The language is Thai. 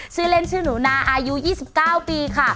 ชื่อเล่นชื่อหนูนาอายุ๒๙ปีค่ะ